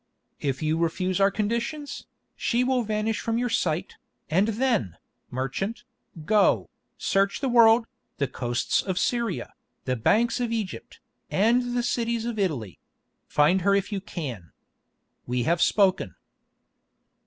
If you refuse our conditions, she will vanish from your sight, and then, merchant, go, search the world, the coasts of Syria, the banks of Egypt, and the cities of Italy—and find her if you can. We have spoken."